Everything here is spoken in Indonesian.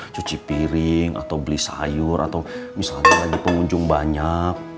cuci piring atau beli sayur atau misalkan lagi pengunjung banyak